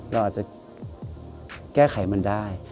เราอาจจะแก้ไขมันได้